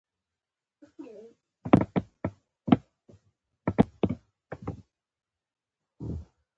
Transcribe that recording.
همداسې د وېرې غبرګون تېښته وي.